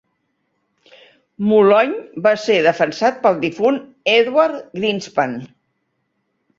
Molony va ser defensat pel difunt Edward Greenspan.